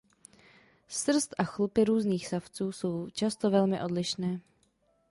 Srst a chlupy různých savců jsou často velmi odlišné.